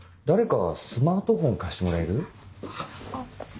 誰かスマートフォン貸してもらえる？